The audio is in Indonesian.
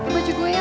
baju gue ya